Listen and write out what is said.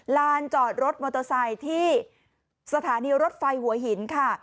ลานจอดรถมอเตอร์ไซค์ที่สถานีรถไฟหัวหินค่ะ